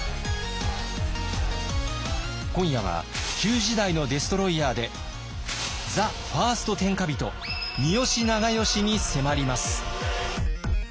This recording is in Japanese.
今夜は旧時代のデストロイヤーでザ・ファースト・天下人三好長慶に迫ります。